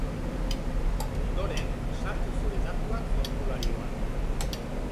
Ondoren, sartu zure datuak formularioan.